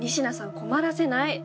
困らせない。